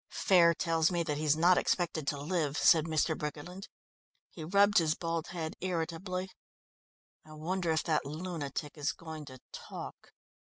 "Faire tells me that he's not expected to live," said Mr. Briggerland. He rubbed his bald head irritably. "I wonder if that lunatic is going to talk?"